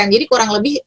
jadi kurang lebih